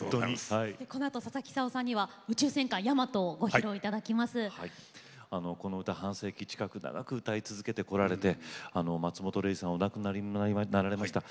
ささきさんには「宇宙戦艦ヤマト」を半世紀近く長く歌い続けられて、松本零士さんお亡くなりになられました。